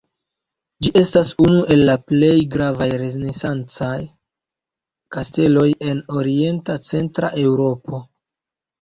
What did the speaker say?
Ĝi estas unu el la plej gravaj renesancaj kasteloj en orienta centra Eŭropo.